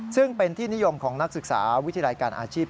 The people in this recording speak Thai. ซึ่งเป็นที่นิยมของนักศึกษาวิทยาลัยการอาชีพ